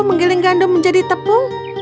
menggiling gandum menjadi tepung